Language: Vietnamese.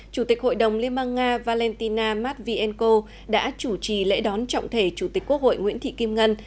chủ tịch hội đồng liên bang nga valentina matvienko đã chủ trì lễ đón trọng thể chủ tịch quốc hội nguyễn thị kim ngân